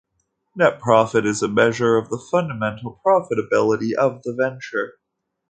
Net profit is a measure of the fundamental profitability of the venture.